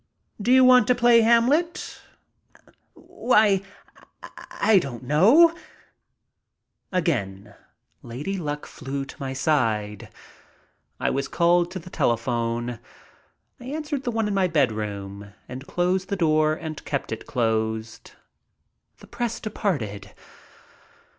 "Do you want to play Hamlet?" "Why, I don't know—" Again Lady Luck fiew to my side. I was called to the telephone. I answered the one in my bedroom, and closed the door, and kept it closed. The Press departed.